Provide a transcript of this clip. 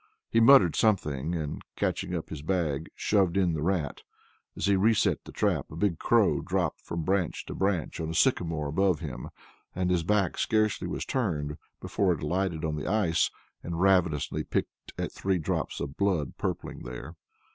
He muttered something, and catching up his bag, shoved in the rat. As he reset the trap, a big crow dropped from branch to branch on a sycamore above him, and his back scarcely was turned before it alighted on the ice, and ravenously picked at three drops of blood purpling there.